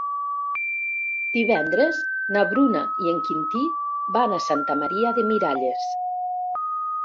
Divendres na Bruna i en Quintí van a Santa Maria de Miralles.